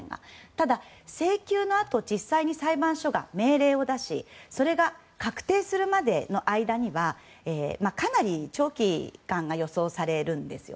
ただ、請求のあと実際に裁判所が命令を出しそれが確定するまでの間にはかなり長期間が予想されるんです。